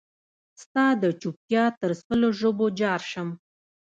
ستا دچوپتیا تر سلو ژبو جارشم